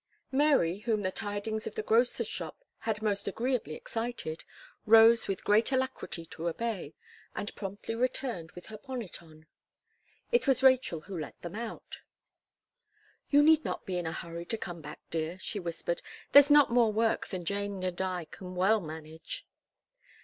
'" Mary, whom the tidings of the grocer's shop had most agreeably excited, rose with great alacrity to obey, and promptly returned, with her bonnet on. It was Rachel who let them out. "You need not be in a hurry to come back, dear," she whispered; "there's not more work than Jane and I can well manage."